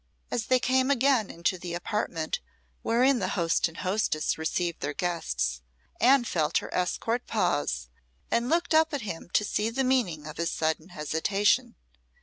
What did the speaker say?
As they came again into the apartment wherein the host and hostess received their guests, Anne felt her escort pause, and looked up at him to see the meaning of his sudden hesitation.